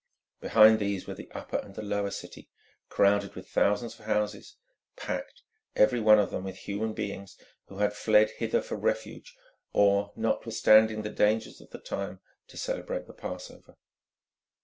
Behind these were the Upper and the Lower City, crowded with thousands of houses, packed, every one of them, with human beings who had fled hither for refuge, or, notwithstanding the dangers of the time, to celebrate the Passover.